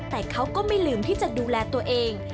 แต่เขาก็ไม่ลืมที่จะดูแลตัวเอง